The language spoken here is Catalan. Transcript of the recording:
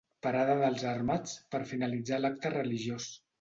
Parada dels armats per finalitzar l'acte religiós.